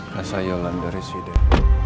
masa yolanda residen